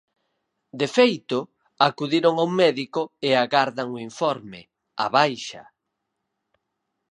De feito, acudiron a un médico e agardan o informe, a baixa.